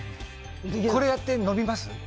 これやって伸びます？